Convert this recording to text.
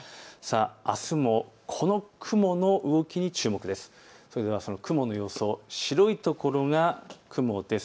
あすも、この雲の動きに注目です。